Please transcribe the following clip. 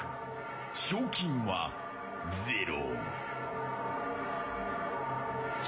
賞金は、ゼロ。